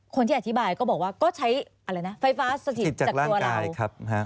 คนที่อธิบายก็บอกว่าก็ใช้อะไรนะไฟฟ้าสถิตจากตัวเรา